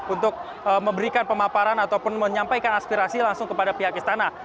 untuk memberikan pemaparan ataupun menyampaikan aspirasi langsung kepada pihak istana